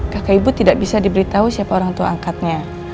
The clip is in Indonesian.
kakak ibu tidak bisa diberitahu siapa orang tua angkatnya